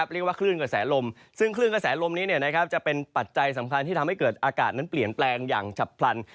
เรียกว่าคลื่นกระแสลมซึ่งคลื่นกระแสลมนี้จะเป็นปัจจัยสำคัญที่ทำให้เกิดอากาศนั้นเปลี่ยนแปลงอย่างฉับพลัน